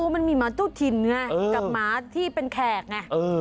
มันมีหมาเจ้าถิ่นไงกับหมาที่เป็นแขกไง